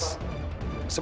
ai darling untuk tym